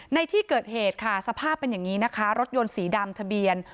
ในที่เกิดเหตุค่ะสภาพเป็นอย่างนี้นะคะรถยนต์สีดำทะเบียน